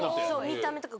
見た目とか。